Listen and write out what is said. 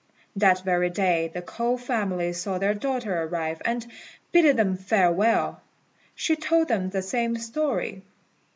That very day the K'ou family saw their daughter arrive, and, bidding them farewell, she told them the same story.